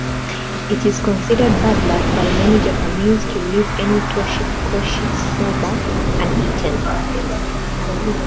It is considered bad luck by many Japanese to leave any "toshi-koshi soba" uneaten.